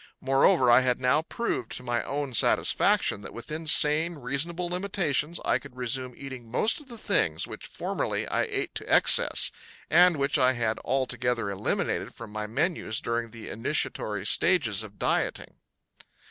Moreover, I had now proved to my own satisfaction that within sane reasonable limitations I could resume eating most of the things which formerly I ate to excess and which I had altogether eliminated from my menus during the initiatory stages of dieting.